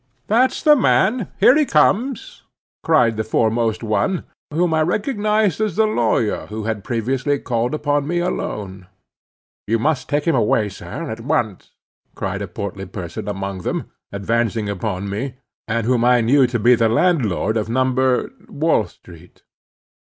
"That's the man—here he comes," cried the foremost one, whom I recognized as the lawyer who had previously called upon me alone. "You must take him away, sir, at once," cried a portly person among them, advancing upon me, and whom I knew to be the landlord of No.—Wall street.